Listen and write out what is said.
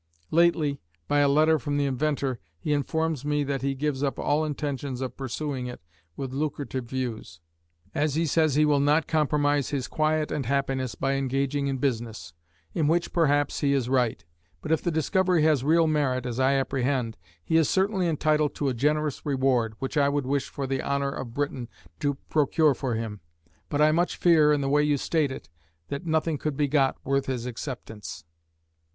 Lately, by a letter from the inventor, he informs me that he gives up all intentions of pursuing it with lucrative views, as he says he will not compromise his quiet and happiness by engaging in business; in which, perhaps, he is right; but if the discovery has real merit, as I apprehend, he is certainly entitled to a generous reward, which I would wish for the honour of Britain, to procure for him; but I much fear, in the way you state it, that nothing could be got worth his acceptance.